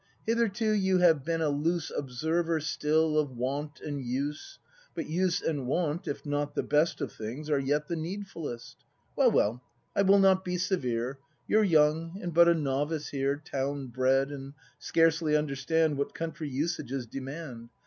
Hitherto you have been a loose Observer still, of Wont and Use; But Use and Wont, if not the best Of things, are yet the needfulest. Well, well, I will not be severe; You're young, and but a novice here. Town bred, and scarcely understand What country usages demand.